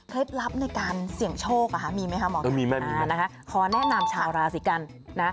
เคล็ดลับในการเสี่ยงโชคอ่ะฮะมีไหมค่ะหมอคุณ